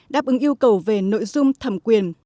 đáp ứng yêu cầu về nội dung thẩm quyền